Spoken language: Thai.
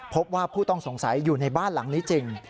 พบว่าผู้ต้องสงสัยอยู่ในบ้านหลังนี้จริง